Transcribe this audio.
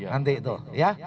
nanti itu ya